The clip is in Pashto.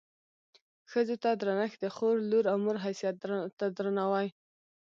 ښځو ته درنښت د خور، لور او مور حیثیت ته درناوی.